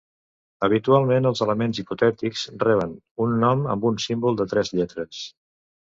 Habitualment, els elements hipotètics reben un nom amb un símbol de tres lletres.